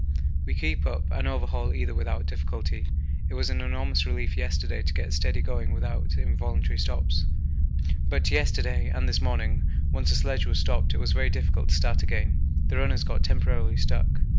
We keep up and overhaul either without difficulty. It was an enormous relief yesterday to get steady going without involuntary stops, but yesterday and this morning, once the sledge was stopped, it was very difficult to start again the runners got temporarily stuck.